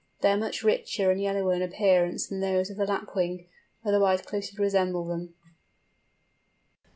They are much richer and yellower in appearance than those of the Lapwing, otherwise closely resemble them.